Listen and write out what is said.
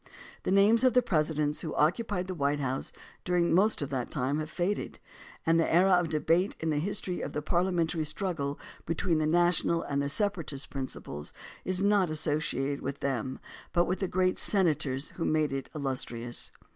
The names of the Presidents who occupied the White House during most of that time have faded, and the era of debate in the history of the parliamentary struggle between the national and the separatist principles is not associated with them but with the great senators who made it illustrious.